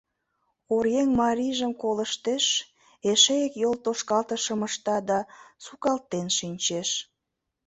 Оръеҥ марийжым колыштеш, эше ик йолтошкалтышым ышта да сукалтен шинчеш.